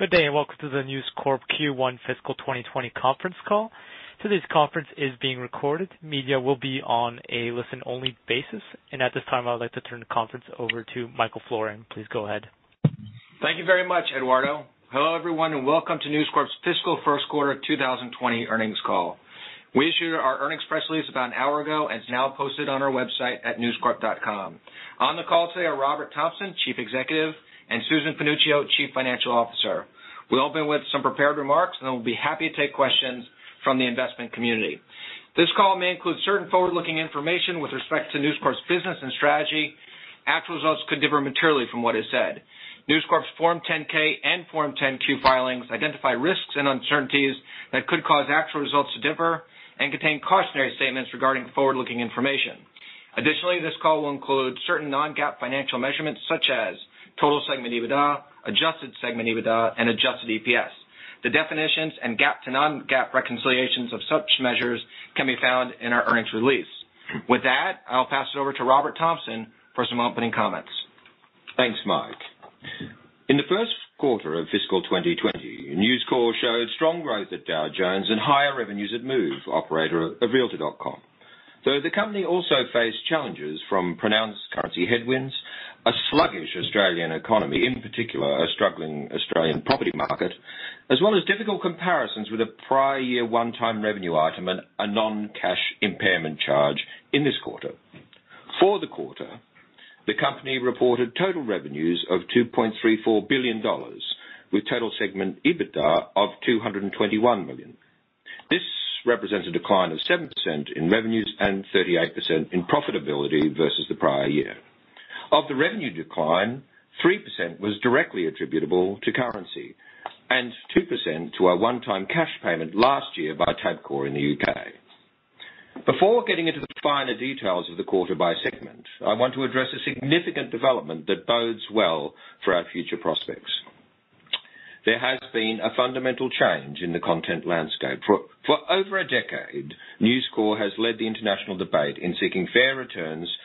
Good day, and welcome to the News Corp Q1 fiscal 2020 conference call. Today's conference is being recorded. Media will be on a listen-only basis. At this time, I would like to turn the conference over to Michael Florin. Please go ahead. Thank you very much, Eduardo. Hello, everyone, and welcome to News Corp's fiscal first quarter of 2020 earnings call. We issued our earnings press release about an hour ago and it's now posted on our website at newscorp.com. On the call today are Robert Thomson, Chief Executive, and Susan Panuccio, Chief Financial Officer. We'll open with some prepared remarks, and then we'll be happy to take questions from the investment community. This call may include certain forward-looking information with respect to News Corp's business and strategy. Actual results could differ materially from what is said. News Corp's Form 10-K and Form 10-Q filings identify risks and uncertainties that could cause actual results to differ and contain cautionary statements regarding forward-looking information. Additionally, this call will include certain non-GAAP financial measurements, such as total segment EBITDA, adjusted segment EBITDA, and adjusted EPS. The definitions and GAAP to non-GAAP reconciliations of such measures can be found in our earnings release. With that, I'll pass it over to Robert Thomson for some opening comments. Thanks, Mike. In the first quarter of fiscal 2020, News Corp showed strong growth at Dow Jones and higher revenues at Move, operator of realtor.com. The company also faced challenges from pronounced currency headwinds, a sluggish Australian economy, in particular, a struggling Australian property market, as well as difficult comparisons with a prior year one-time revenue item and a non-cash impairment charge in this quarter. For the quarter, the company reported total revenues of $2.34 billion, with total segment EBITDA of $221 million. This represents a decline of 7% in revenues and 38% in profitability versus the prior year. Of the revenue decline, 3% was directly attributable to currency and 2% to a one-time cash payment last year by Tabcorp in the U.K. Before getting into the finer details of the quarter by segment, I want to address a significant development that bodes well for our future prospects. There has been a fundamental change in the content landscape. For over a decade, News Corp has led the international debate in seeking fair returns for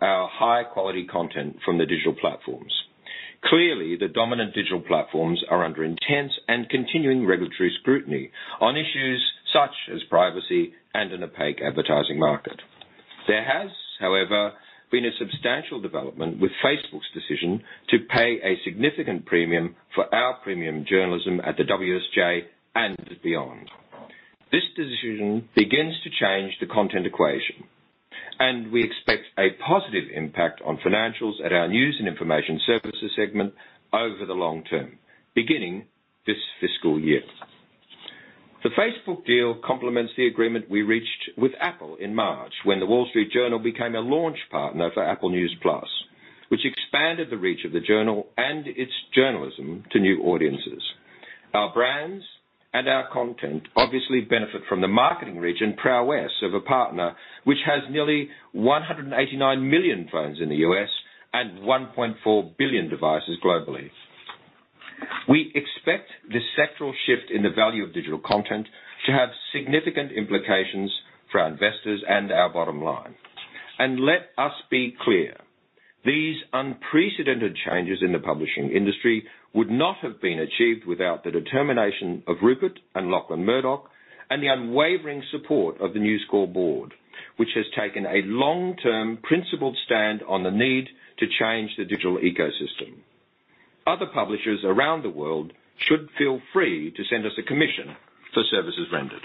our high-quality content from the digital platforms. Clearly, the dominant digital platforms are under intense and continuing regulatory scrutiny on issues such as privacy and an opaque advertising market. There has, however, been a substantial development with Facebook's decision to pay a significant premium for our premium journalism at the WSJ and beyond. This decision begins to change the content equation, and we expect a positive impact on financials at our news and information services segment over the long term, beginning this fiscal year. The Facebook deal complements the agreement we reached with Apple in March when The Wall Street Journal became a launch partner for Apple News+, which expanded the reach of the Journal and its journalism to new audiences. Our brands and our content obviously benefit from the marketing reach and prowess of a partner which has nearly 189 million phones in the U.S. and 1.4 billion devices globally. We expect this sectoral shift in the value of digital content to have significant implications for our investors and our bottom line. Let us be clear, these unprecedented changes in the publishing industry would not have been achieved without the determination of Rupert and Lachlan Murdoch and the unwavering support of the News Corp board, which has taken a long-term, principled stand on the need to change the digital ecosystem. Other publishers around the world should feel free to send us a commission for services rendered.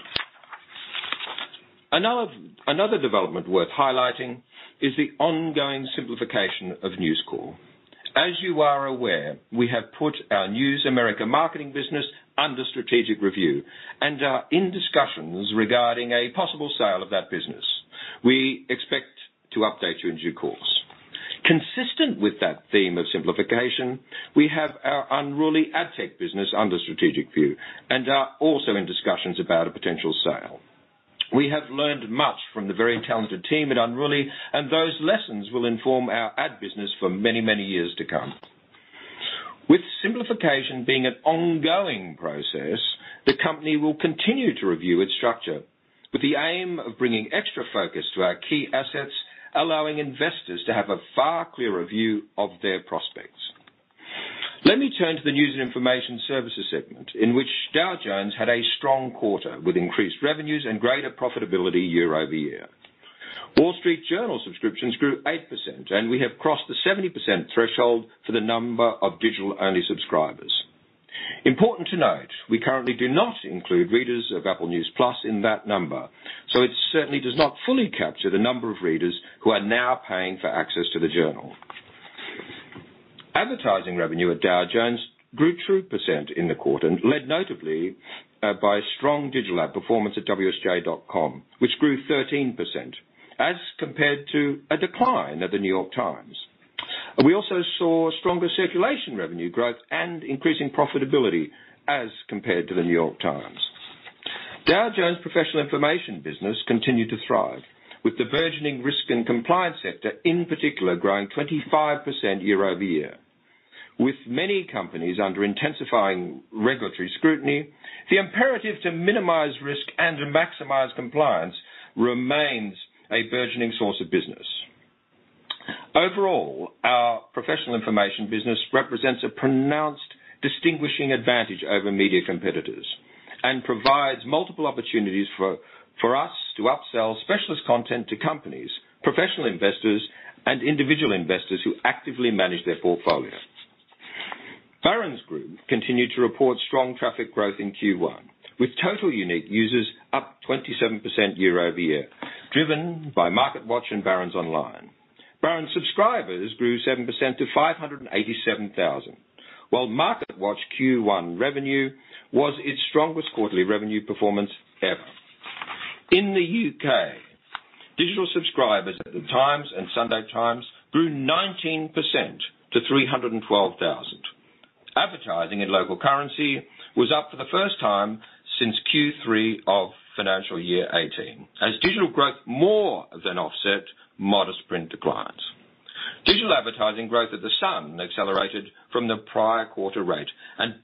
Another development worth highlighting is the ongoing simplification of News Corp. As you are aware, we have put our News America Marketing business under strategic review and are in discussions regarding a possible sale of that business. We expect to update you in due course. Consistent with that theme of simplification, we have our Unruly ad tech business under strategic view and are also in discussions about a potential sale. We have learned much from the very talented team at Unruly, and those lessons will inform our ad business for many, many years to come. With simplification being an ongoing process, the company will continue to review its structure with the aim of bringing extra focus to our key assets, allowing investors to have a far clearer view of their prospects. Let me turn to the News and Information Services segment, in which Dow Jones had a strong quarter, with increased revenues and greater profitability year-over-year. Wall Street Journal subscriptions grew 8%. We have crossed the 70% threshold for the number of digital-only subscribers. Important to note, we currently do not include readers of Apple News+ in that number. It certainly does not fully capture the number of readers who are now paying for access to the journal. Advertising revenue at Dow Jones grew 2% in the quarter, led notably by strong digital ad performance at wsj.com, which grew 13%, as compared to a decline at The New York Times. We also saw stronger circulation revenue growth and increasing profitability as compared to The New York Times. Dow Jones' Professional Information Business continued to thrive with the burgeoning risk and compliance sector, in particular, growing 25% year-over-year. With many companies under intensifying regulatory scrutiny, the imperative to minimize risk and maximize compliance remains a burgeoning source of business. Overall, our professional information business represents a pronounced distinguishing advantage over media competitors and provides multiple opportunities for us to upsell specialist content to companies, professional investors, and individual investors who actively manage their portfolios. Barron's Group continued to report strong traffic growth in Q1, with total unique users up 27% year-over-year, driven by MarketWatch and Barron's Online. Barron's subscribers grew 7% to 587,000, while MarketWatch Q1 revenue was its strongest quarterly revenue performance ever. In the U.K., digital subscribers at The Times and Sunday Times grew 19% to 312,000. Advertising in local currency was up for the first time since Q3 of financial year 2018, as digital growth more than offset modest print declines. Digital advertising growth at The Sun accelerated from the prior quarter rate and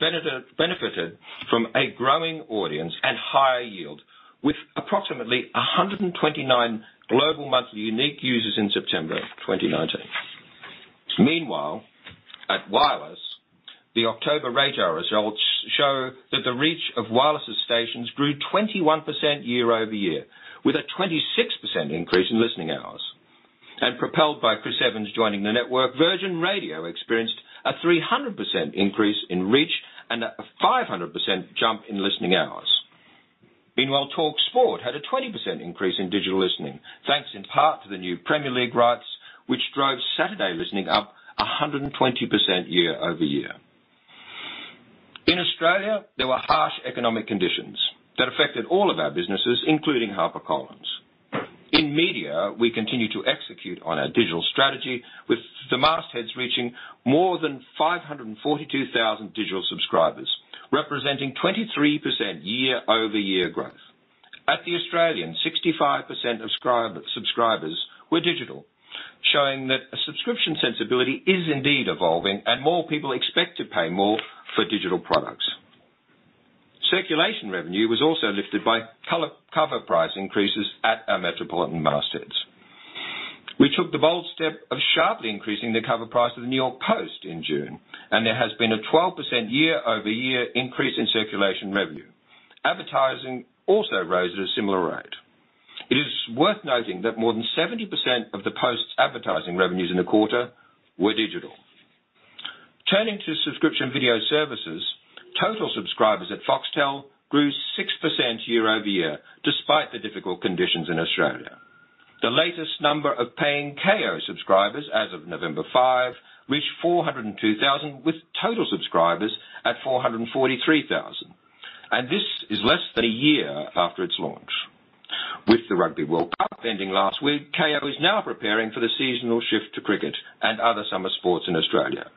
benefited from a growing audience and higher yield, with approximately 129 global monthly unique users in September 2019. Meanwhile, at Wireless, the October RAJAR results show that the reach of Wireless' stations grew 21% year-over-year, with a 26% increase in listening hours. Propelled by Chris Evans joining the network, Virgin Radio experienced a 300% increase in reach and a 500% jump in listening hours. Meanwhile, talkSPORT had a 20% increase in digital listening, thanks in part to the new Premier League rights, which drove Saturday listening up 120% year-over-year. In Australia, there were harsh economic conditions that affected all of our businesses, including HarperCollins. In media, we continue to execute on our digital strategy, with the mastheads reaching more than 542,000 digital subscribers, representing 23% year-over-year growth. At The Australian, 65% of subscribers were digital, showing that a subscription sensibility is indeed evolving and more people expect to pay more for digital products. Circulation revenue was also lifted by cover price increases at our metropolitan mastheads. We took the bold step of sharply increasing the cover price of the New York Post in June, there has been a 12% year-over-year increase in circulation revenue. Advertising also rose at a similar rate. It is worth noting that more than 70% of The Post's advertising revenues in the quarter were digital. Turning to subscription video services, total subscribers at Foxtel grew 6% year-over-year, despite the difficult conditions in Australia. The latest number of paying Kayo subscribers as of November 5, reached 402,000, with total subscribers at 443,000. This is less than a year after its launch. With the Rugby World Cup ending last week, Kayo is now preparing for the seasonal shift to cricket and other summer sports in Australia.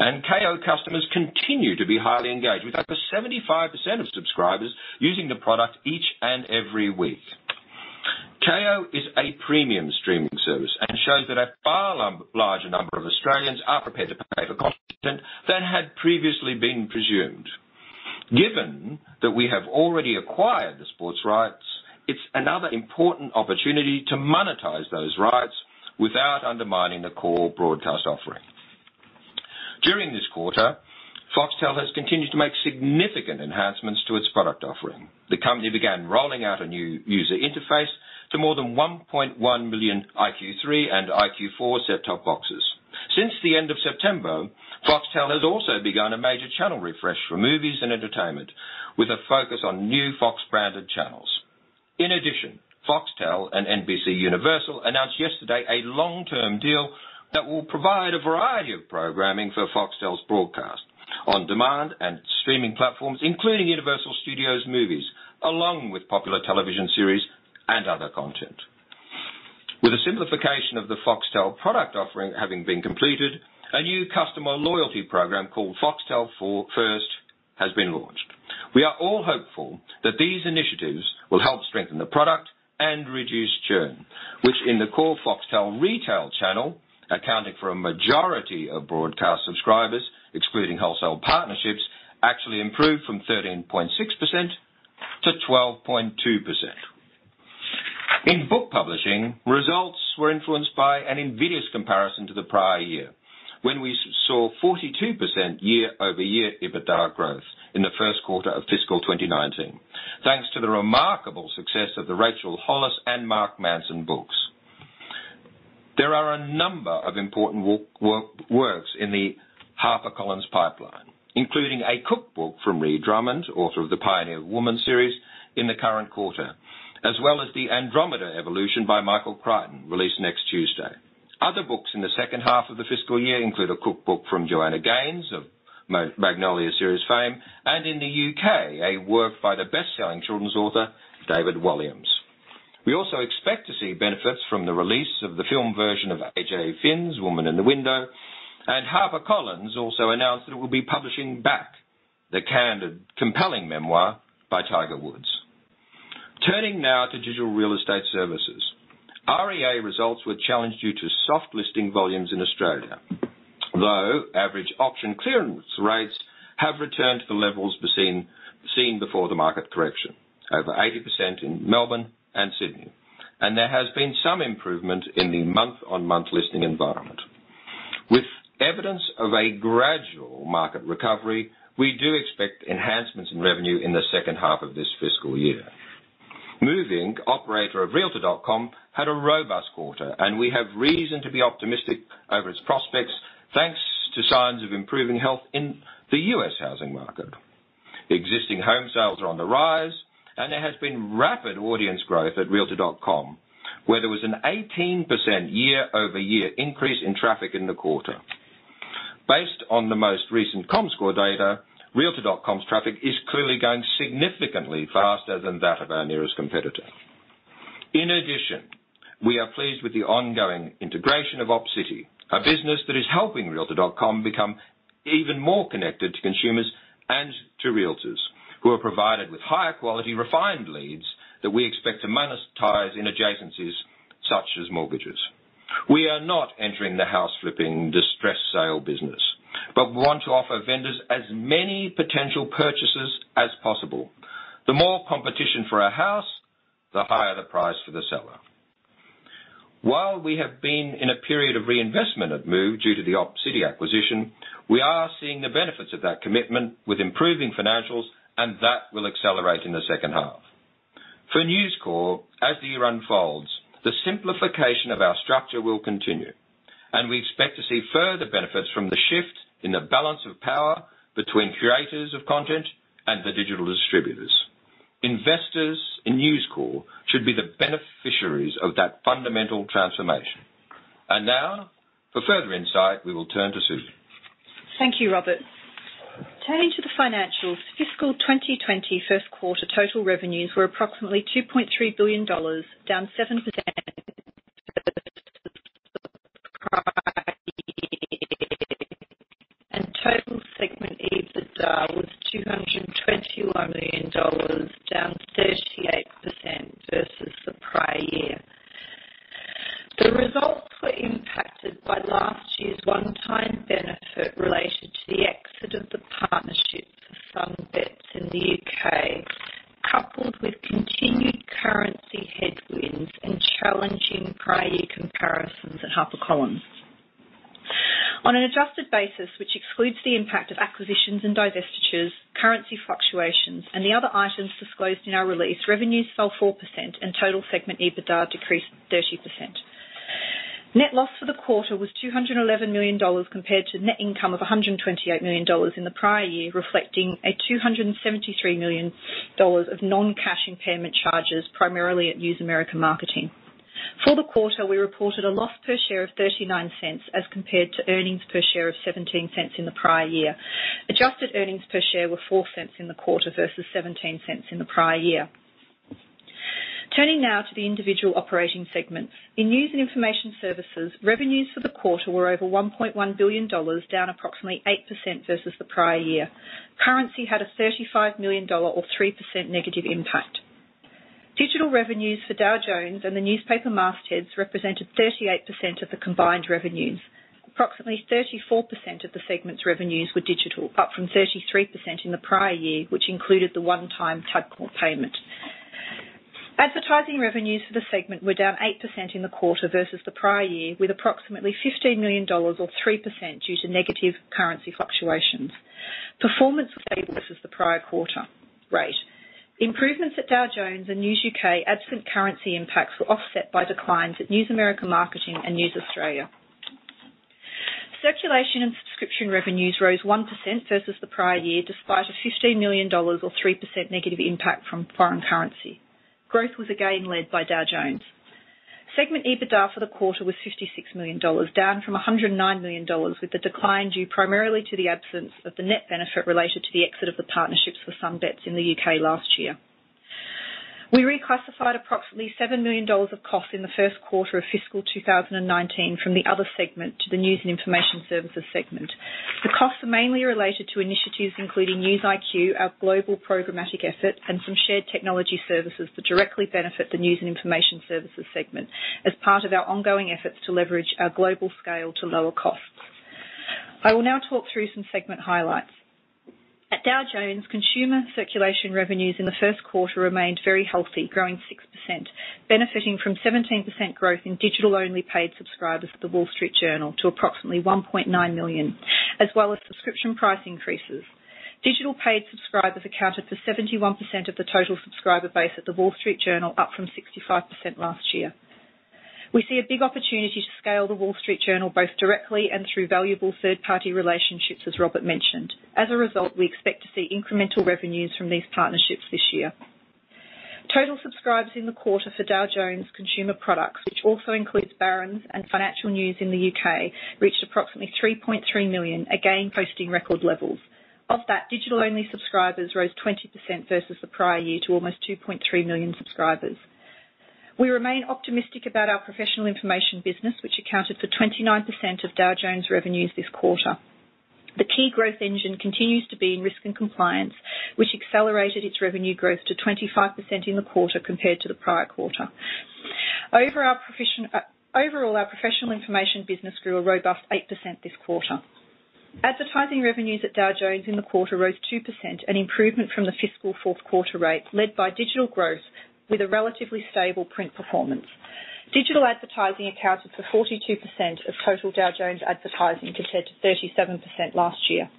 Kayo customers continue to be highly engaged, with over 75% of subscribers using the product each and every week. Kayo is a premium streaming service and shows that a far larger number of Australians are prepared to pay for content than had previously been presumed. Given that we have already acquired the sports rights, it's another important opportunity to monetize those rights without undermining the core broadcast offering. During this quarter, Foxtel has continued to make significant enhancements to its product offering. The company began rolling out a new user interface to more than 1.1 million iQ3 and iQ4 set-top boxes. Since the end of September, Foxtel has also begun a major channel refresh for movies and entertainment, with a focus on new Fox-branded channels. Foxtel and NBCUniversal announced yesterday a long-term deal that will provide a variety of programming for Foxtel's broadcast on demand and streaming platforms, including Universal Studios movies, along with popular television series and other content. With the simplification of the Foxtel product offering having been completed, a new customer loyalty program called Foxtel First has been launched. We are all hopeful that these initiatives will help strengthen the product and reduce churn, which in the core Foxtel retail channel, accounting for a majority of broadcast subscribers, excluding wholesale partnerships, actually improved from 13.6% to 12.2%. In book publishing, results were influenced by an invidious comparison to the prior year, when we saw 42% year-over-year EBITDA growth in the first quarter of fiscal 2019, thanks to the remarkable success of the Rachel Hollis and Mark Manson books. There are a number of important works in the HarperCollins pipeline, including a cookbook from Ree Drummond, author of the "Pioneer Woman" series in the current quarter, as well as "The Andromeda Evolution" by Michael Crichton, released next Tuesday. Other books in the second half of the fiscal year include a cookbook from Joanna Gaines of Magnolia Series fame, and in the U.K., a work by the best-selling children's author, David Walliams. We also expect to see benefits from the release of the film version of A.J. Finn's "Woman in the Window," HarperCollins also announced that it will be publishing back the candid, compelling memoir by Tiger Woods. Turning now to Digital & Real Estate Services. REA results were challenged due to soft listing volumes in Australia. Though average auction clearance rates have returned to the levels seen before the market correction, over 80% in Melbourne and Sydney, and there has been some improvement in the month-on-month listing environment. With evidence of a gradual market recovery, we do expect enhancements in revenue in the second half of this fiscal year. Move Inc, operator of realtor.com, had a robust quarter, and we have reason to be optimistic over its prospects, thanks to signs of improving health in the U.S. housing market. Existing home sales are on the rise, and there has been rapid audience growth at realtor.com, where there was an 18% year-over-year increase in traffic in the quarter. Based on the most recent Comscore data, realtor.com's traffic is clearly growing significantly faster than that of our nearest competitor. In addition, we are pleased with the ongoing integration of Opcity, a business that is helping realtor.com become even more connected to consumers and to realtors, who are provided with higher quality, refined leads that we expect to monetize in adjacencies such as mortgages. We are not entering the house-flipping, distress sale business, but want to offer vendors as many potential purchasers as possible. The more competition for a house, the higher the price for the seller. While we have been in a period of reinvestment at Move due to the Opcity acquisition, we are seeing the benefits of that commitment with improving financials, and that will accelerate in the second half. For News Corp, as the year unfolds, the simplification of our structure will continue, and we expect to see further benefits from the shift in the balance of power between curators of content and the digital distributors. Investors in News Corp should be the beneficiaries of that fundamental transformation. Now, for further insight, we will turn to Susan. Thank you, Robert. Turning to the financials, fiscal 2020 first quarter total revenues were approximately $2.3 billion, down 7%. Total segment EBITDA was $221 million, down 38% versus the prior year. The results were impacted by last year's one-time benefit related to the exit of the partnerships of Sun Bets in the U.K., coupled with continued currency headwinds and challenging prior year comparisons at HarperCollins. On an adjusted basis, which excludes the impact of acquisitions and divestitures, currency fluctuations, and the other items disclosed in our release, revenues fell 4%. Total segment EBITDA decreased 30%. Net loss for the quarter was $211 million, compared to net income of $128 million in the prior year, reflecting a $273 million of non-cash impairment charges, primarily at News America Marketing. For the quarter, we reported a loss per share of $0.39, as compared to earnings per share of $0.17 in the prior year. Adjusted earnings per share were $0.04 in the quarter versus $0.17 in the prior year. Turning now to the individual operating segments. In news and information services, revenues for the quarter were over $1.1 billion, down approximately 8% versus the prior year. Currency had a $35 million or 3% negative impact. Digital revenues for Dow Jones and the newspaper mastheads represented 38% of the combined revenues. Approximately 34% of the segment's revenues were digital, up from 33% in the prior year, which included the one-time Tabcorp payment. Advertising revenues for the segment were down 8% in the quarter versus the prior year, with approximately $15 million or 3% due to negative currency fluctuations. Performance was stable versus the prior quarter. Right. Improvements at Dow Jones and News UK, absent currency impacts, were offset by declines at News America Marketing and News Australia. Circulation and subscription revenues rose 1% versus the prior year, despite a $15 million or 3% negative impact from foreign currency. Growth was again led by Dow Jones. Segment EBITDA for the quarter was $56 million, down from $109 million, with the decline due primarily to the absence of the net benefit related to the exit of the partnerships for Sun Bets in the U.K. last year. We reclassified approximately $7 million of costs in the first quarter of fiscal 2019 from the other segment to the news and information services segment. The costs are mainly related to initiatives including News IQ, our global programmatic asset, and some shared technology services that directly benefit the news and information services segment as part of our ongoing efforts to leverage our global scale to lower costs. I will now talk through some segment highlights. At Dow Jones, consumer circulation revenues in the first quarter remained very healthy, growing 6%, benefiting from 17% growth in digital-only paid subscribers to The Wall Street Journal to approximately 1.9 million, as well as subscription price increases. Digital paid subscribers accounted for 71% of the total subscriber base at The Wall Street Journal, up from 65% last year. We see a big opportunity to scale The Wall Street Journal, both directly and through valuable third-party relationships, as Robert mentioned. As a result, we expect to see incremental revenues from these partnerships this year. Total subscribers in the quarter for Dow Jones Consumer Products, which also includes Barron's and Financial News in the U.K., reached approximately 3.3 million, again posting record levels. Of that, digital-only subscribers rose 20% versus the prior year to almost 2.3 million subscribers. We remain optimistic about our professional information business, which accounted for 29% of Dow Jones revenues this quarter. Key growth engine continues to be in risk and compliance, which accelerated its revenue growth to 25% in the quarter compared to the prior quarter. Overall, our professional information business grew a robust 8% this quarter. Advertising revenues at Dow Jones in the quarter rose 2%, an improvement from the fiscal fourth quarter rate, led by digital growth with a relatively stable print performance. Digital advertising accounted for 32% of total Dow Jones advertising, compared to 37% last year.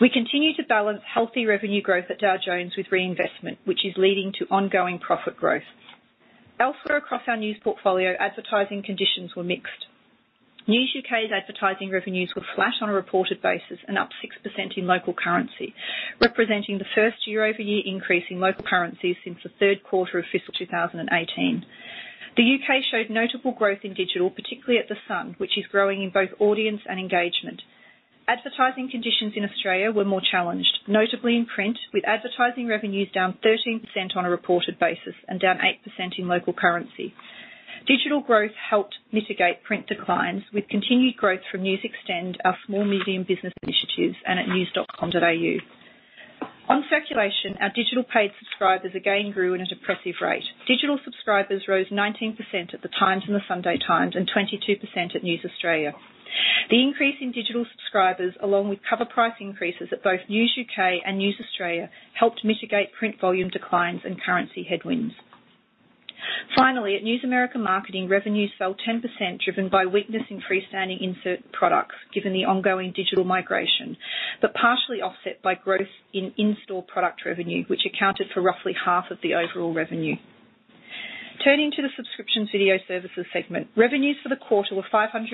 We continue to balance healthy revenue growth at Dow Jones with reinvestment, which is leading to ongoing profit growth. Elsewhere across our news portfolio, advertising conditions were mixed. News U.K.'s advertising revenues were flat on a reported basis and up 6% in local currency, representing the first year-over-year increase in local currency since the third quarter of fiscal 2018. The U.K. showed notable growth in digital, particularly at "The Sun," which is growing in both audience and engagement. Advertising conditions in Australia were more challenged, notably in print, with advertising revenues down 13% on a reported basis and down 8% in local currency. Digital growth helped mitigate print declines with continued growth from News Xtend, our small-medium business initiatives, and at news.com.au. On circulation, our digital paid subscribers again grew at an impressive rate. Digital subscribers rose 19% at "The Times" and "The Sunday Times" and 22% at News Corp Australia. The increase in digital subscribers, along with cover price increases at both News UK and News Australia, helped mitigate print volume declines and currency headwinds. Finally, at News America Marketing, revenues fell 10%, driven by weakness in freestanding insert products, given the ongoing digital migration. Partially offset by growth in in-store product revenue, which accounted for roughly half of the overall revenue. Turning to the Subscription Video Services segment, revenues for the quarter were $514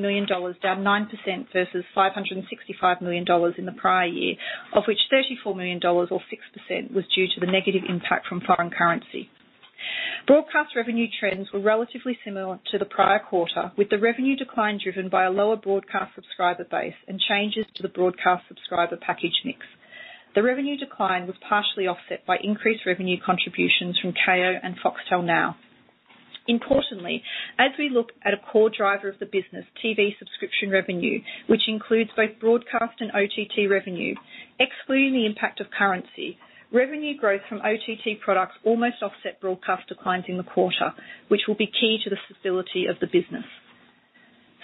million, down 9%, versus $565 million in the prior year, of which $34 million, or 6%, was due to the negative impact from foreign currency. Broadcast revenue trends were relatively similar to the prior quarter, with the revenue decline driven by a lower broadcast subscriber base and changes to the broadcast subscriber package mix. The revenue decline was partially offset by increased revenue contributions from Kayo and Foxtel Now. Importantly, as we look at a core driver of the business, TV subscription revenue, which includes both broadcast and OTT revenue, excluding the impact of currency, revenue growth from OTT products almost offset broadcast declines in the quarter, which will be key to the stability of the business.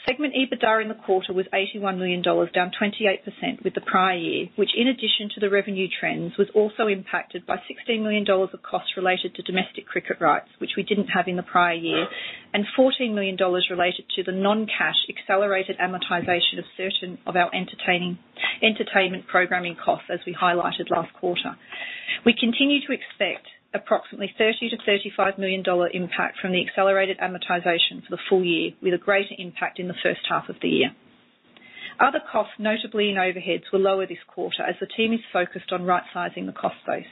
Segment EBITDA in the quarter was $81 million, down 28% with the prior year, which in addition to the revenue trends, was also impacted by $16 million of costs related to domestic cricket rights, which we didn't have in the prior year, and $14 million related to the non-cash accelerated amortization of certain of our entertainment programming costs, as we highlighted last quarter. We continue to expect approximately $30 million-$35 million impact from the accelerated amortization for the full year, with a greater impact in the first half of the year. Other costs, notably in overheads, were lower this quarter as the team is focused on rightsizing the cost base.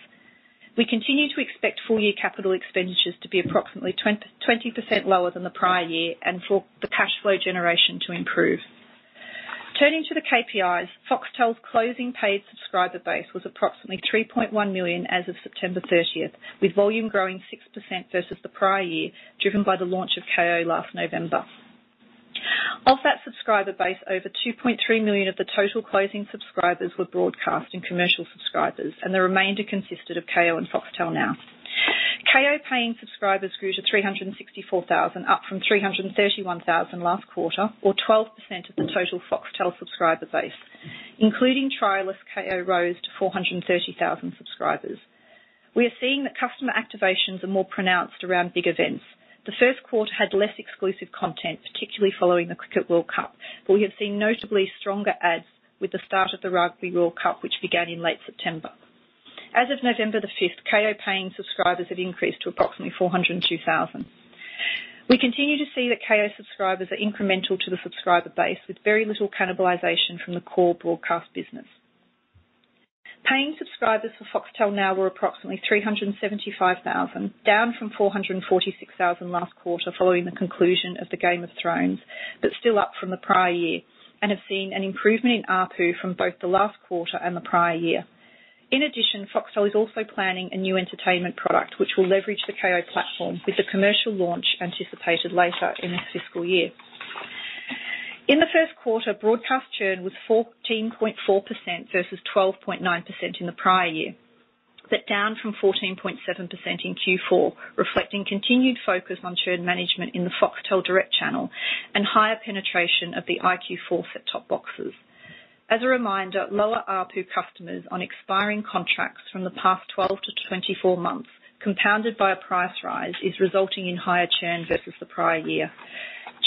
We continue to expect full-year capital expenditures to be approximately 20% lower than the prior year and for the cash flow generation to improve. Turning to the KPIs, Foxtel's closing paid subscriber base was approximately 3.1 million as of September 30th, with volume growing 6% versus the prior year, driven by the launch of Kayo last November. Of that subscriber base, over 2.3 million of the total closing subscribers were broadcast and commercial subscribers, and the remainder consisted of Kayo and Foxtel Now. Kayo-paying subscribers grew to 364,000, up from 331,000 last quarter, or 12% of the total Foxtel subscriber base. Including trial of Kayo rose to 430,000 subscribers. We are seeing that customer activations are more pronounced around big events. The first quarter had less exclusive content, particularly following the Cricket World Cup. We have seen notably stronger ads with the start of the Rugby World Cup, which began in late September. As of November the 5th, Kayo-paying subscribers had increased to approximately 402,000. We continue to see that Kayo subscribers are incremental to the subscriber base, with very little cannibalization from the core broadcast business. Paying subscribers for Foxtel Now were approximately 375,000, down from 446,000 last quarter following the conclusion of the "Game of Thrones," but still up from the prior year and have seen an improvement in ARPU from both the last quarter and the prior year. In addition, Foxtel is also planning a new entertainment product, which will leverage the Kayo platform with the commercial launch anticipated later in this fiscal year. In the first quarter, broadcast churn was 14.4% versus 12.9% in the prior year. Down from 14.7% in Q4, reflecting continued focus on churn management in the Foxtel direct channel and higher penetration of the iQ4 set-top boxes. As a reminder, lower ARPU customers on expiring contracts from the past 12-24 months, compounded by a price rise, is resulting in higher churn versus the prior year.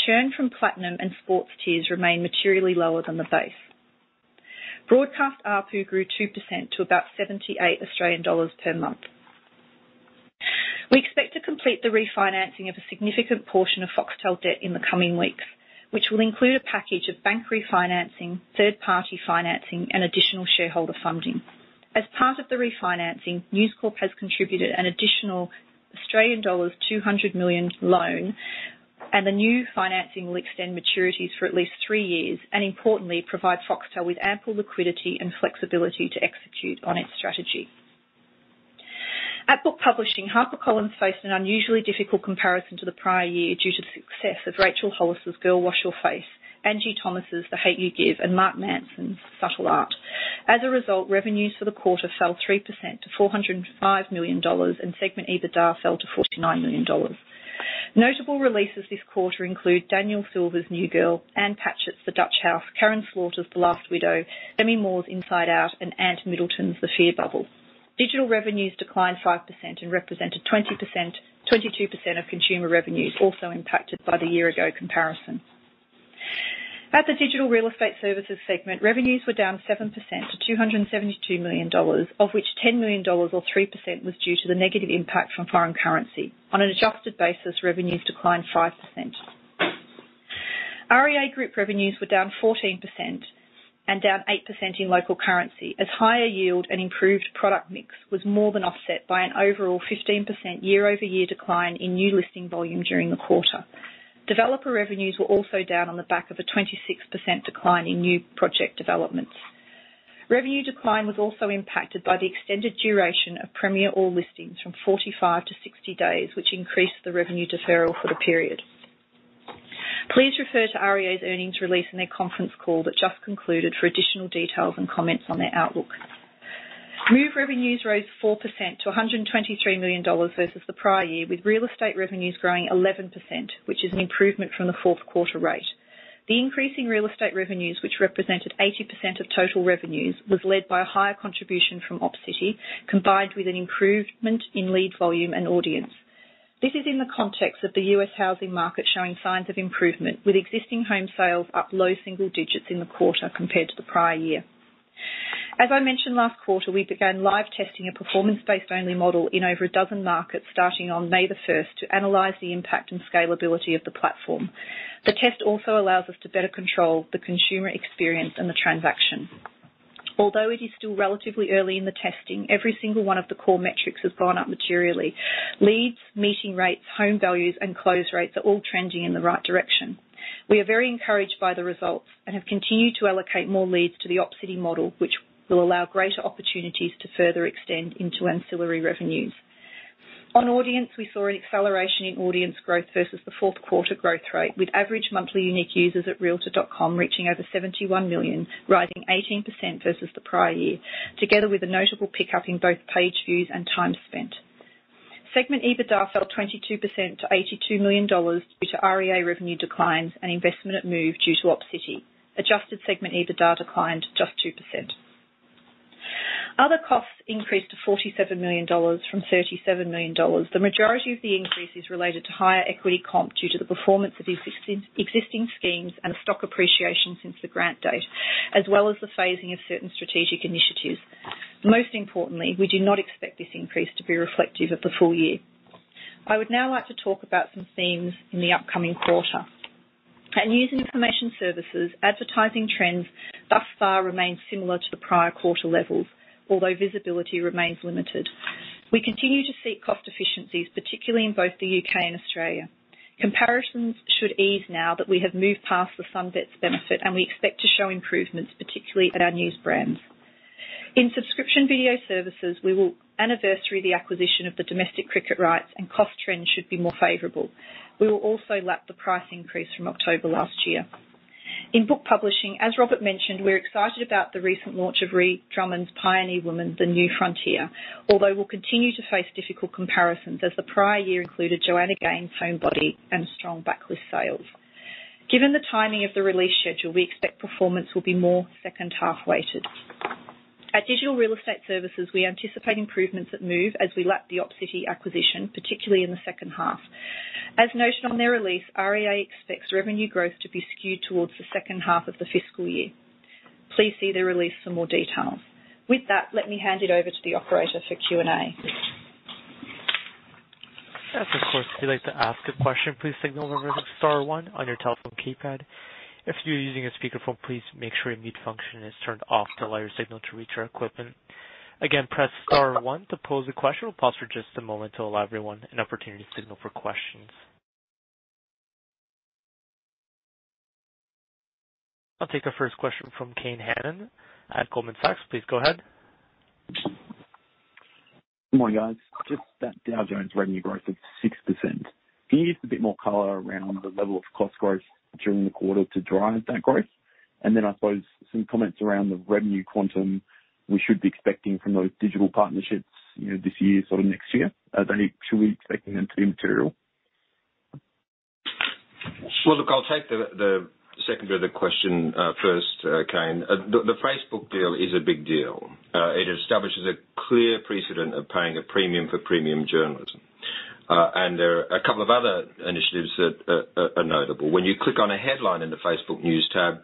Churn from platinum and sports tiers remain materially lower than the base. Broadcast ARPU grew 2% to about 78 Australian dollars per month. We expect to complete the refinancing of a significant portion of Foxtel debt in the coming weeks, which will include a package of bank refinancing, third-party financing, and additional shareholder funding. As part of the refinancing, News Corp has contributed an additional Australian dollars 200 million loan, and the new financing will extend maturities for at least three years, and importantly, provide Foxtel with ample liquidity and flexibility to execute on its strategy. At book publishing, HarperCollins faced an unusually difficult comparison to the prior year due to the success of Rachel Hollis' "Girl, Wash Your Face," Angie Thomas' "The Hate U Give," and Mark Manson's "Subtle Art." As a result, revenues for the quarter fell 3% to $405 million, and segment EBITDA fell to $49 million. Notable releases this quarter include Daniel Silva's "New Girl," Ann Patchett's "The Dutch House," Karin Slaughter's "The Last Widow," Demi Moore's "Inside Out," and Ant Middleton's "The Fear Bubble." Digital revenues declined 5% and represented 22% of consumer revenues, also impacted by the year-ago comparison. At the Digital Real Estate Services segment, revenues were down 7% to $272 million, of which $10 million or 3% was due to the negative impact from foreign currency. On an adjusted basis, revenues declined 5%. REA Group revenues were down 14% and down 8% in local currency, as higher yield and improved product mix was more than offset by an overall 15% year-over-year decline in new listing volume during the quarter. Developer revenues were also down on the back of a 26% decline in new project developments. Revenue decline was also impacted by the extended duration of premier all listings from 45 to 60 days, which increased the revenue deferral for the period. Please refer to REA's earnings release and their conference call that just concluded for additional details and comments on their outlook. Move revenues rose 4% to $123 million versus the prior year, with real estate revenues growing 11%, which is an improvement from the fourth quarter rate. The increase in real estate revenues, which represented 80% of total revenues, was led by a higher contribution from Opcity, combined with an improvement in lead volume and audience. This is in the context of the U.S. housing market showing signs of improvement, with existing home sales up low single digits in the quarter compared to the prior year. As I mentioned last quarter, we began live testing a performance-based only model in over a dozen markets starting on May 1st to analyze the impact and scalability of the platform. The test also allows us to better control the consumer experience and the transaction. Although it is still relatively early in the testing, every single one of the core metrics has gone up materially. Leads, meeting rates, home values, and close rates are all trending in the right direction. We are very encouraged by the results and have continued to allocate more leads to the Opcity model, which will allow greater opportunities to further extend into ancillary revenues. On audience, we saw an acceleration in audience growth versus the fourth quarter growth rate, with average monthly unique users at realtor.com reaching over 71 million, rising 18% versus the prior year, together with a notable pickup in both page views and time spent. Segment EBITDA fell 22% to $82 million due to REA revenue declines and investment at Move due to Opcity. Adjusted segment EBITDA declined just 2%. Other costs increased to $47 million from $37 million. The majority of the increase is related to higher equity comp due to the performance of existing schemes and stock appreciation since the grant date, as well as the phasing of certain strategic initiatives. Most importantly, we do not expect this increase to be reflective of the full year. I would now like to talk about some themes in the upcoming quarter. At News and Information Services, advertising trends thus far remain similar to the prior quarter levels, although visibility remains limited. We continue to seek cost efficiencies, particularly in both the U.K. and Australia. Comparisons should ease now that we have moved past the Sun Bets benefit, and we expect to show improvements, particularly at our news brands. In subscription video services, we will anniversary the acquisition of the domestic cricket rights and cost trends should be more favorable. We will also lap the price increase from October last year. In book publishing, as Robert mentioned, we're excited about the recent launch of Ree Drummond's "Pioneer Woman: The New Frontier," although we'll continue to face difficult comparisons as the prior year included Joanna Gaines' "Homebody" and strong backlist sales. Given the timing of the release schedule, we expect performance will be more second half weighted. At Digital Real Estate Services, we anticipate improvements at Move as we lap the Opcity acquisition, particularly in the second half. As noted on their release, REA expects revenue growth to be skewed towards the second half of the fiscal year. Please see their release for more details. With that, let me hand it over to the operator for Q&A. Yes, of course. If you'd like to ask a question, please signal by pressing star one on your telephone keypad. If you're using a speakerphone, please make sure your mute function is turned off to allow your signal to reach our equipment. Again, press star one to pose a question. We'll pause for just a moment to allow everyone an opportunity to signal for questions. I'll take the first question from Kane Hannan at Goldman Sachs. Please go ahead. Good morning, guys. Just that Dow Jones revenue growth of 6%. Can you give us a bit more color around the level of cost growth during the quarter to drive that growth? Then, I suppose some comments around the revenue quantum we should be expecting from those digital partnerships this year, sort of next year. Should we be expecting them to be material? Well, look, I'll take the second bit of the question first, Kane. The Facebook deal is a big deal. It establishes a clear precedent of paying a premium for premium journalism. There are a couple of other initiatives that are notable. When you click on a headline in the Facebook News tab,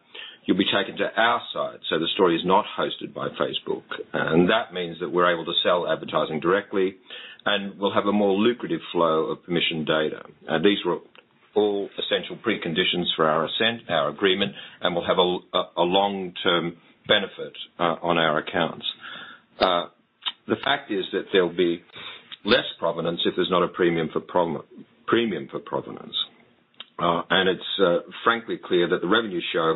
you'll be taken to our site, so the story is not hosted by Facebook. That means that we're able to sell advertising directly, and we'll have a more lucrative flow of permission data. These were all essential preconditions for our assent, our agreement, and we'll have a long-term benefit on our accounts. The fact is that there'll be less provenance if there's not a premium for provenance. It's frankly clear that the revenue share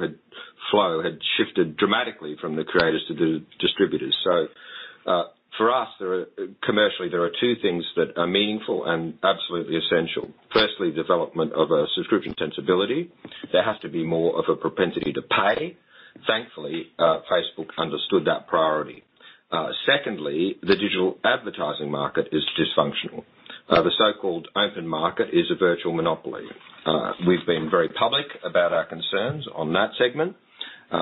flow had shifted dramatically from the creators to the distributors. For us, commercially, there are two things that are meaningful and absolutely essential. Firstly, development of a subscription sensibility. There has to be more of a propensity to pay. Thankfully, Facebook understood that priority. Secondly, the digital advertising market is dysfunctional. The so-called open market is a virtual monopoly. We've been very public about our concerns on that segment,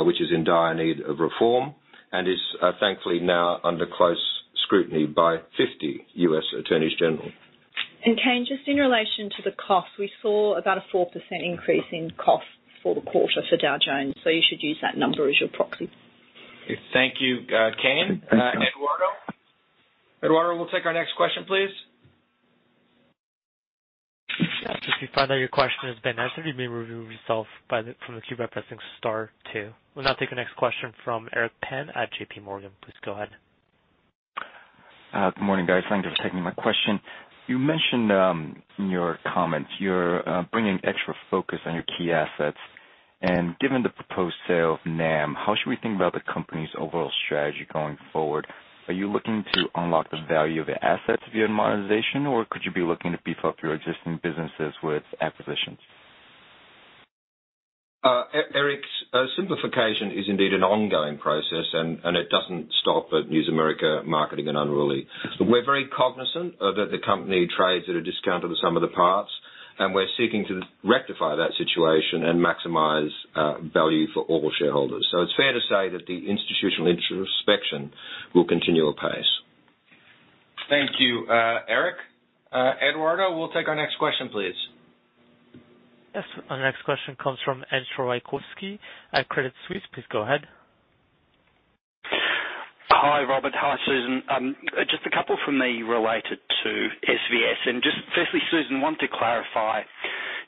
which is in dire need of reform and is, thankfully, now under close scrutiny by 50 U.S. attorneys general. Kane, just in relation to the cost, we saw about a 4% increase in cost for the quarter for Dow Jones. You should use that number as your proxy. Thank you, Kane. Okay. Thanks, guys. Eduardo. Eduardo, we'll take our next question, please. Yes. Just to confirm that your question has been answered, you may remove yourself from the queue by pressing star two. We'll now take the next question from Eric Pan at J.P. Morgan. Please go ahead. Good morning, guys. Thank you for taking my question. You mentioned in your comments you're bringing extra focus on your key assets. Given the proposed sale of NAM, how should we think about the company's overall strategy going forward? Are you looking to unlock the value of the assets via monetization, or could you be looking to beef up your existing businesses with acquisitions? Eric, simplification is indeed an ongoing process, and it doesn't stop at News America Marketing and Unruly. We're very cognizant that the company trades at a discount of the sum of the parts, and we're seeking to rectify that situation and maximize value for all shareholders. It's fair to say that the institutional introspection will continue apace. Thank you, Eric. Eduardo, we'll take our next question, please. Yes. Our next question comes from Entcho Raykovski at Credit Suisse. Please go ahead. Hi, Robert. Hi, Susan. Just a couple from me related to SVOD. Firstly, Susan, I want to clarify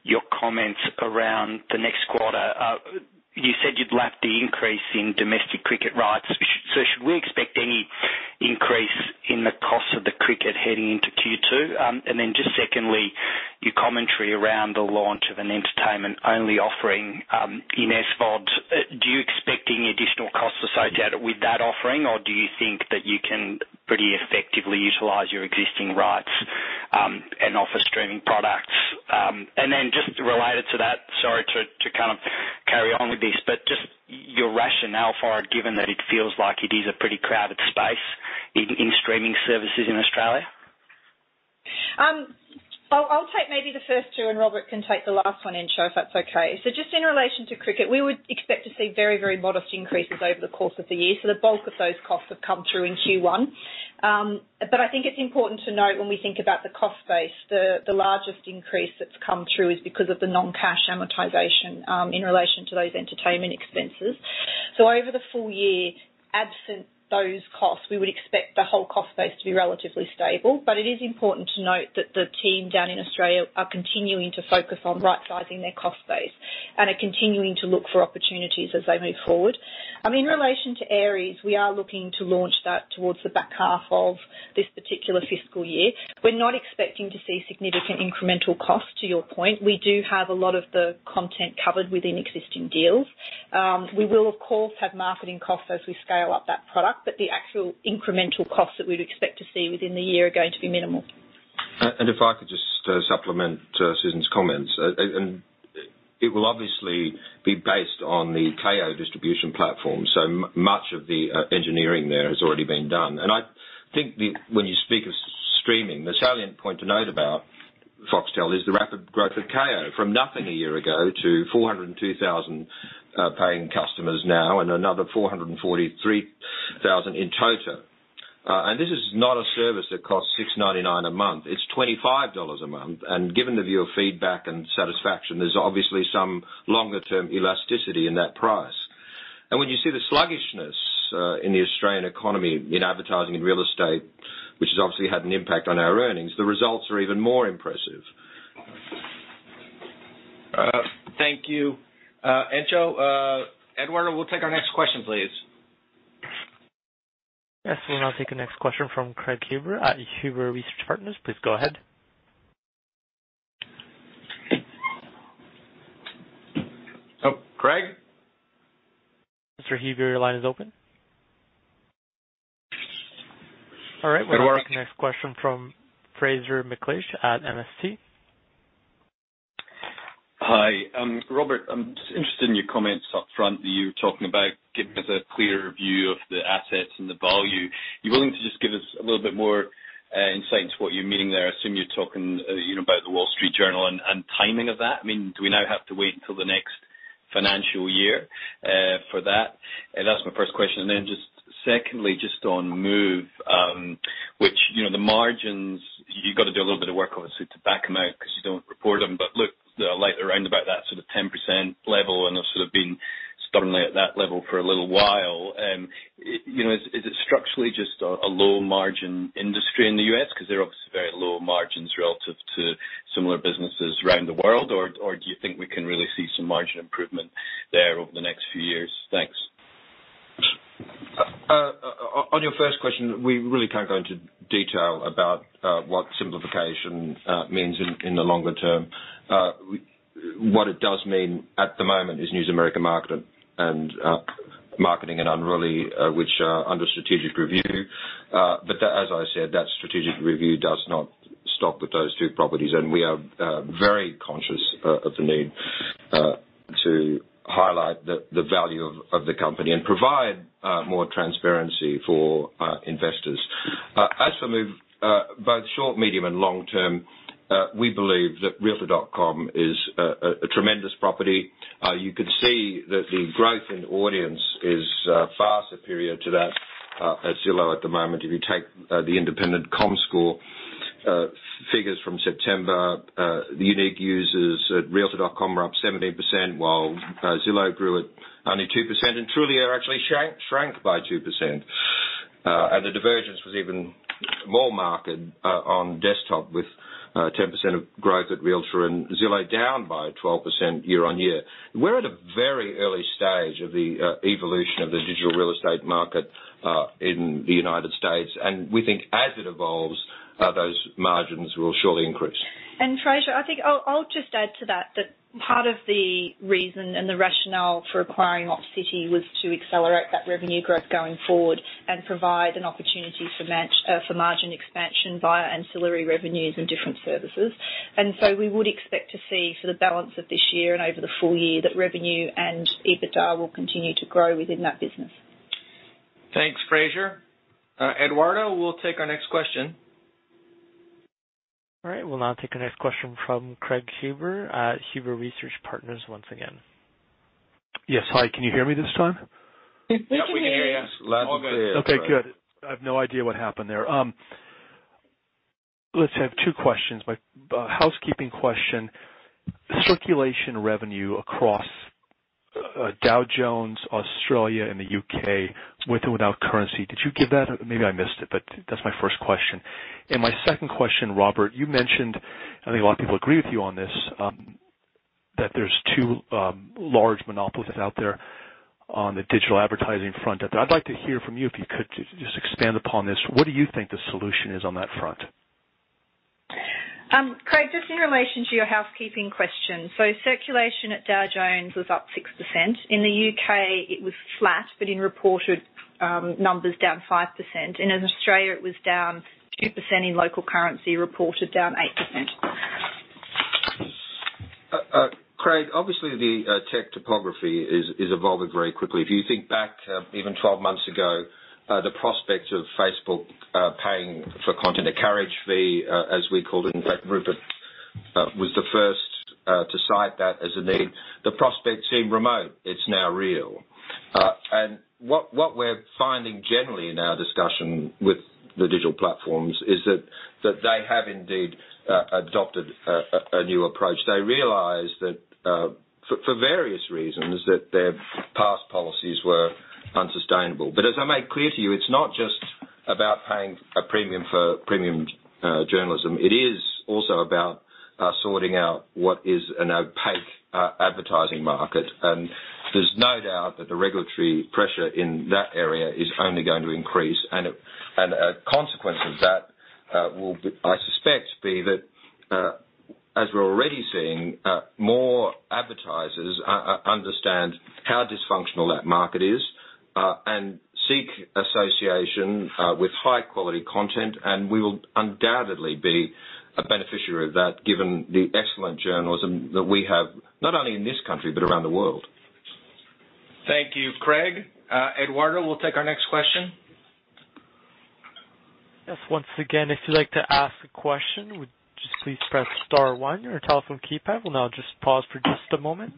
your comments around the next quarter. You said you'd lapped the increase in domestic cricket rights. Should we expect any increase in the cost of the cricket heading into Q2? Then just secondly, your commentary around the launch of an entertainment-only offering in SVOD, do you expect any additional costs associated with that offering, or do you think that you can pretty effectively utilize your existing rights and offer streaming products? Then just related to that, sorry to kind of carry on with this, what is your rationale for it, given that it feels like it is a pretty crowded space in streaming services in Australia? I'll take maybe the first two, and Robert can take the last one, Entcho, if that's okay. Just in relation to cricket, we would expect to see very modest increases over the course of the year. The bulk of those costs have come through in Q1. I think it's important to note when we think about the cost base, the largest increase that's come through is because of the non-cash amortization in relation to those entertainment expenses. Over the full year, absent those costs, we would expect the whole cost base to be relatively stable. It is important to note that the team down in Australia are continuing to focus on rightsizing their cost base and are continuing to look for opportunities as they move forward. In relation to [Aeries], we are looking to launch that towards the back half of this particular fiscal year. We're not expecting to see significant incremental cost, to your point. We do have a lot of the content covered within existing deals. We will, of course, have marketing costs as we scale up that product, but the actual incremental costs that we'd expect to see within the year are going to be minimal. If I could just supplement Susan's comments. It will obviously be based on the Kayo distribution platform. Much of the engineering there has already been done. I think when you speak of streaming, the salient point to note about Foxtel is the rapid growth of Kayo from nothing a year ago to 402,000 paying customers now and another 443,000 in total. This is not a service that costs $6.99 a month. It's $25 a month. Given the view of feedback and satisfaction, there's obviously some longer-term elasticity in that price. When you see the sluggishness in the Australian economy in advertising and real estate, which has obviously had an impact on our earnings, the results are even more impressive. Thank you, Entcho. Eduardo, we'll take our next question, please. Yes. We'll now take the next question from Craig Huber at Huber Research Partners. Please go ahead. Craig? Mr. Huber, your line is open. All right. Eduardo? We'll take the next question from Fraser McLeish at MST. Hi, Robert. I'm interested in your comments up front, you talking about giving us a clearer view of the assets and the value. Are you willing to just give us a little bit more insight into what you're meaning there? I assume you're talking about The Wall Street Journal and timing of that. Do we now have to wait until the next financial year for that? That's my first question. Secondly, just on Move, which the margins, you've got to do a little bit of work, obviously, to back them out because you don't report them. Look, they're around about that sort of 10% level, and they've sort of been stubbornly at that level for a little while. Is it structurally just a low-margin industry in the U.S. because they're obviously very low margins relative to similar businesses around the world? Do you think we can really see some margin improvement there over the next few years? Thanks. On your first question, we really can't go into detail about what simplification means in the longer term. What it does mean at the moment is News America Marketing and Unruly, which are under strategic review. As I said, that strategic review does not stop with those two properties, and we are very conscious of the need to highlight the value of the company and provide more transparency for investors. As for Move, both short, medium, and long term, we believe that realtor.com is a tremendous property. You can see that the growth in audience is far superior to that at Zillow at the moment. If you take the independent Comscore figures from September, the unique users at realtor.com were up 17%, while Zillow grew at only two percent, and Trulia actually shrank by two percent. The divergence was even more marked on desktop, with 10% of growth at realtor and Zillow down by 12% year-on-year. We're at a very early stage of the evolution of the digital real estate market in the U.S., we think as it evolves, those margins will surely increase. Fraser, I think I'll just add to that part of the reason and the rationale for acquiring Opcity was to accelerate that revenue growth going forward and provide an opportunity for margin expansion via ancillary revenues and different services. We would expect to see for the balance of this year and over the full year that revenue and EBITDA will continue to grow within that business. Thanks, Fraser. Eduardo, we'll take our next question. All right, we'll now take our next question from Craig Huber at Huber Research Partners once again. Yes. Hi, can you hear me this time? Yes, we can hear you. Yep, we can hear you loud and clear. Okay, good. I have no idea what happened there. Let's have two questions. My housekeeping question, circulation revenue across Dow Jones, Australia, and the U.K. with or without currency. Did you give that? Maybe I missed it, but that's my first question. My second question, Robert, you mentioned, I think a lot of people agree with you on this, that there's two large monopolies out there on the digital advertising front. I'd like to hear from you, if you could just expand upon this. What do you think the solution is on that front? Craig, just in relation to your housekeeping question. Circulation at Dow Jones was up 6%. In the U.K. it was flat, but in reported numbers down 5%, and in Australia it was down 2%, in local currency reported down 8%. Craig, obviously the tech topography is evolving very quickly. If you think back even 12 months ago, the prospect of Facebook paying for content, a carriage fee, as we called it, in fact, Rupert was the first to cite that as a need. The prospect seemed remote. It's now real. What we're finding generally in our discussion with the digital platforms is that they have indeed adopted a new approach. They realize that, for various reasons, that their past policies were unsustainable. As I made clear to you, it's not just about paying a premium for premium journalism. It is also about sorting out what is an opaque advertising market. There's no doubt that the regulatory pressure in that area is only going to increase. A consequence of that will, I suspect, be that, as we're already seeing, more advertisers understand how dysfunctional that market is and seek association with high-quality content, and we will undoubtedly be a beneficiary of that, given the excellent journalism that we have, not only in this country but around the world. Thank you, Craig. Eduardo, we'll take our next question. Yes. Once again, if you'd like to ask a question, would you please press star one on your telephone keypad. We'll now just pause for just a moment.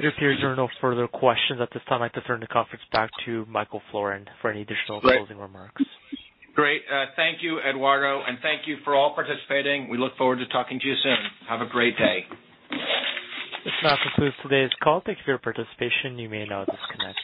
It appears there are no further questions at this time. I'd like to turn the conference back to Michael Florin for any additional closing remarks. Great. Thank you, Eduardo. Thank you for all participating. We look forward to talking to you soon. Have a great day. This now concludes today's call. Thank you for your participation. You may now disconnect.